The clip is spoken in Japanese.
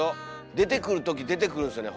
出てくるとき出てくるんですよね